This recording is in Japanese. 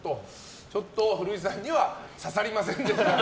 ちょっと古市さんには刺さりませんでした。